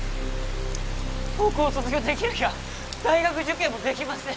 高校を卒業できなきゃ大学受験もできません